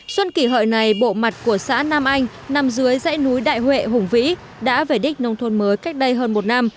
xuân kỷ hợi này bộ mặt của xã nam anh nằm dưới dãy núi đại huệ hùng vĩ đã về đích nông thôn mới cách đây hơn một năm